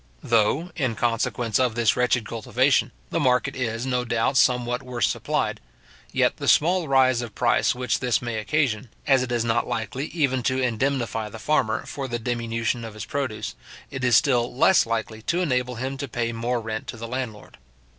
Though, in consequence of this wretched cultivation, the market is, no doubt, somewhat worse supplied; yet the small rise of price which this may occasion, as it is not likely even to indemnify the farmer for the diminution of his produce, it is still less likely to enable him to pay more rent to the landlord.